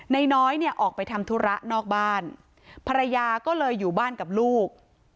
น้อยเนี่ยออกไปทำธุระนอกบ้านภรรยาก็เลยอยู่บ้านกับลูก